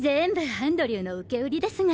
アンドリューの受け売りですが。